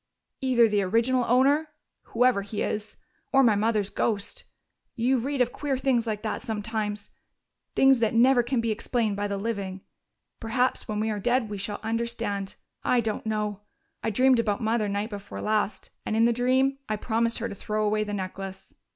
"Either the original owner whoever he is or my mother's ghost. You read of queer things like that sometimes, things that never can be explained by the living. Perhaps when we are dead we shall understand.... I don't know.... I dreamed about Mother night before last, and in the dream I promised her to throw away the necklace....